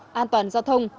trật tự an toàn giao thông